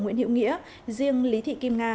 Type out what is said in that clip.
nguyễn hiệu nghĩa riêng lý thị kim nga